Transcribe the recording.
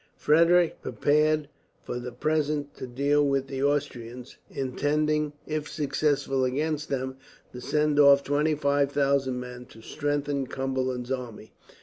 Frederick prepared, for the present, to deal with the Austrians; intending, if successful against them, to send off 25,000 men to strengthen Cumberland's army.